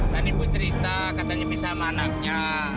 kan ibu cerita katanya bisa sama anaknya